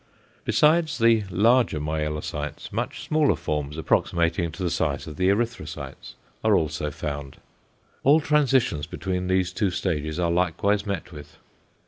Besides the larger myelocytes, much smaller forms, approximating to the size of the erythrocytes are also found. All transitions between these two stages are likewise met with.